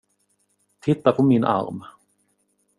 Titta på min arm.